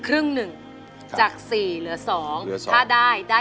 กลับไปก่อนที่สุดท้าย